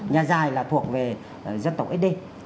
nhà dài là thuộc về dân tộc ấy đê